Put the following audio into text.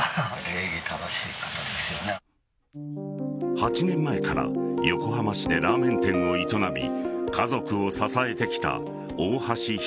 ８年前から横浜市でラーメン店を営み家族を支えてきた大橋弘